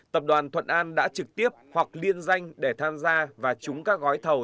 tập đoàn thuận an đã trực tiếp hoặc liên danh để tham gia và trúng các gói thầu